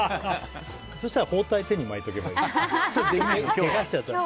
そうしたら、包帯手に巻いておけばいい。